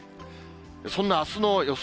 そんなあすの予想